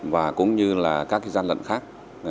và cũng như là các gian lận khác